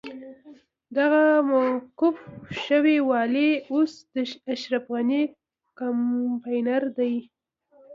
دغه موقوف شوی والي اوس د اشرف غني کمپاينر دی.